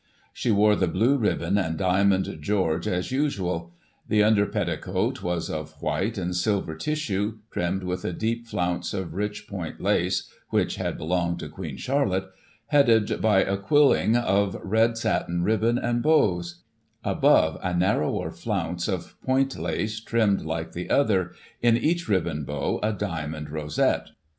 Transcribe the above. She wore the blue ribbon and diamond George as usual. The under petticoat was of white and silver tissue, trimmed with a deep flounce of rich point lace (which had belonged to Queen Charlotte), headed by a quilling of red satin ribbon and bows ; above, a narrower flounce of point lace, trimmed like the other ; in each ribbon bow, a diamond rosette.